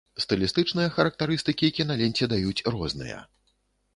Стылістычныя характарыстыкі кіналенце даюць розныя.